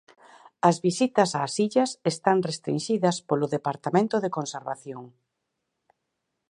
As visitas ás illas están restrinxidas polo Departamento de Conservación.